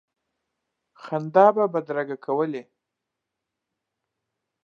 خندا به بدرګه کولې.